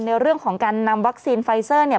ในเรื่องของการนำวัคซีนไฟเซอร์เนี่ย